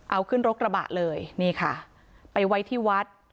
เอาขึ้นรถกระบะเลยนี่ค่ะไปไว้ที่วัด